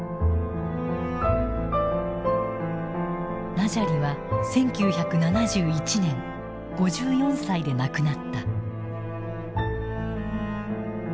ナジャリは１９７１年５４歳で亡くなった。